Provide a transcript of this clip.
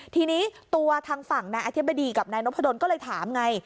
ทีนี้ตัวทางฝั่งนายอธิบดีกับนายนพดลก็เลยถามไง